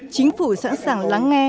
chính phủ sẵn sàng lắng nghe